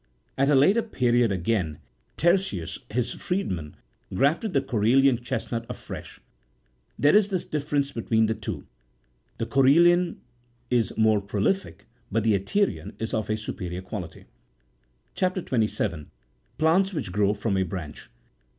At a later period again, Etereius, his freedman, grafted the Corellian38 chesnut afresh. There is this difference between the two ; the Corellian is more prolific, but the Etereian is of superior quality. CHAP. 27. PLANTS WHICH GROW FROM. A BRANCH.